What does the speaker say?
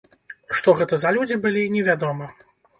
Што гэта за людзі былі невядома.